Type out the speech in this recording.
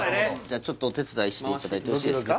ちょっとお手伝いしていただいてよろしいですか？